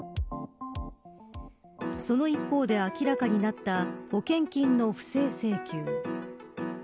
その一方で明らかになった保険金の不正請求。